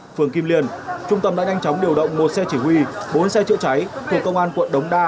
tp hcm trung tâm đã nhanh chóng điều động một xe chỉ huy bốn xe chữa cháy của công an quận đống đa